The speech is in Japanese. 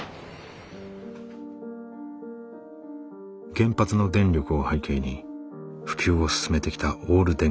原発の電力を背景に普及を進めてきたオール電化。